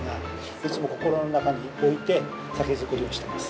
いつも心の中に置いて酒造りをしています。